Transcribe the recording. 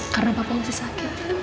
karena papa masih sakit